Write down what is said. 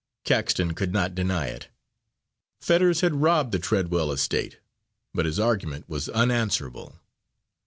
Caxton could not deny it. Fetters had robbed the Treadwell estate, but his argument was unanswerable.